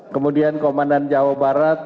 kemudian komandan jawa barat